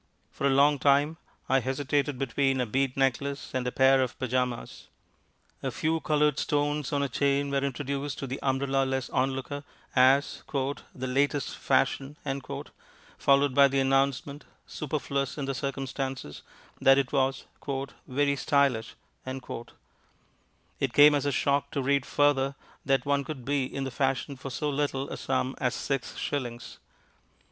For a long time I hesitated between a bead necklace and a pair of pyjamas. A few coloured stones on a chain were introduced to the umbrella less onlooker as "The Latest Fashion," followed by the announcement, superfluous in the circumstances, that it was "Very Stylish." It came as a shock to read further that one could be in the fashion for so little a sum as six shillings.